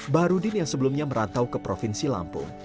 baharudin yang sebelumnya merantau ke provinsi lampung